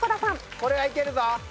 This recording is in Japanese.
これはいけるぞ。